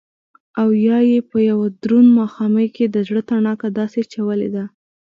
او يا يې په يو دروند ماښامي کښې دزړه تڼاکه داسې چولې ده